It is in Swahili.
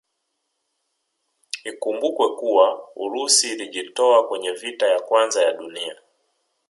Ikumbukwe kuwa Urusi ilijitoa kwenye vita ya kwanza ya dunia